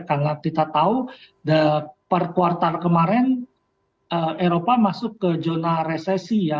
karena kita tahu per kuartal kemarin eropa masuk ke zona resesi ya